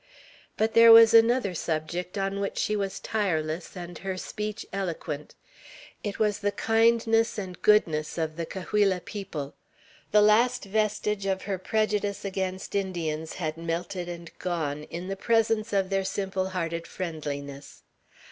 But there was another subject on which she was tireless, and her speech eloquent. It was the kindness and goodness of the Cahuilla people. The last vestige of her prejudice against Indians had melted and gone, in the presence of their simple hearted friendliness.